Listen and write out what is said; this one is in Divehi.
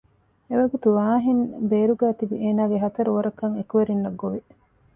އެވަގުތު ވާޙިން ބޭރުގައި ތިބި އޭނަގެ ހަތަރު ވަރަކަށް އެކުވެރިންނަށް ގޮވި